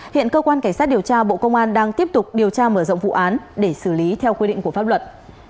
hiện cơ quan cảnh sát điều tra bộ công an đang tiếp tục điều tra mở rộng vụ án để xử lý theo quy định của pháp luật